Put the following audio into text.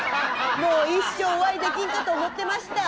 ・もう一生お会いできんかと思ってました